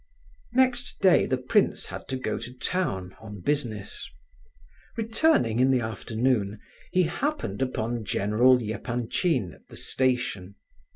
Next day the prince had to go to town, on business. Returning in the afternoon, he happened upon General Epanchin at the station.